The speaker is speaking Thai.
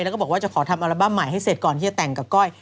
แล้วก็บอกว่าจะขอทำอัลบั้มใหม่ให้เสร็จก่อนที่จะแต่งกับก้อย